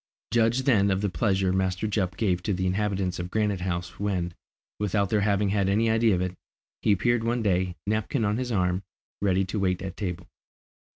Judge then of the pleasure Master Jup gave to the inhabitants of Granite House when, without their having had any idea of it, he appeared one day, napkin on his arm, ready to wait at table.